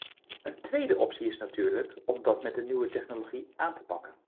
Een tweede optie is natuurlijk om dat met de nieuwe technologie aan te pakken.